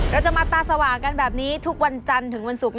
เราจะมาตาสว่างกันแบบนี้ทุกวันจันทร์ถึงวันศุกร์